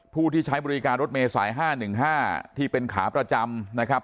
ผู้ที่ใช้บริการรถเมษายห้าหนึ่งห้าที่เป็นขาประจำนะครับ